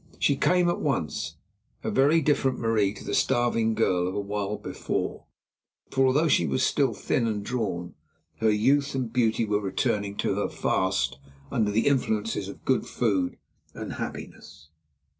She came at once, a very different Marie to the starving girl of a while before, for although she was still thin and drawn, her youth and beauty were returning to her fast under the influences of good food and happiness.